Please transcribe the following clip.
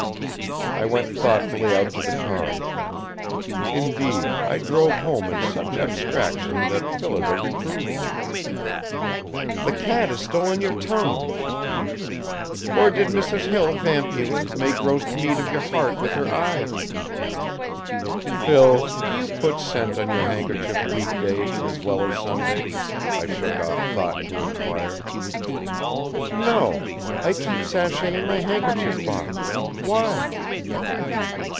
I went thoughtfully out to the car. Indeed, I drove home in such abstraction that Phillida reproved me. "'The cat has stolen your tongue,'" she teased. "Or did Mrs. Hill vamp you and make roast meat of your heart with her eyes?" "Phil, do you put scent on your handkerchief week days as well as Sundays?" I shook off thought to inquire. "No; I keep sachet in my handkerchief box. Why?"